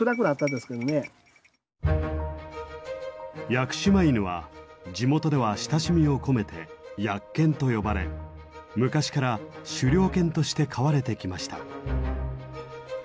屋久島犬は地元では親しみを込めてヤッケンと呼ばれ昔から狩猟犬として飼われてきました。